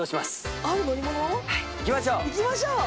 行きましょう！